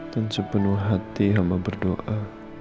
dan sepenuh hati hamba berdoa